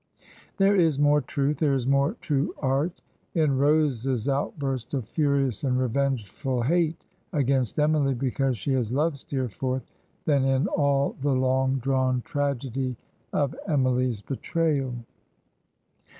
There is more truth, there is more true art, in Rosa's outburst of furious and revengeful hate against Emily because she has loved Steerforth than in all the long drawn trag edy of Emily's betrayal.